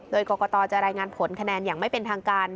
โดยกรกตจะรายงานผลคะแนนอย่างไม่เป็นทางการ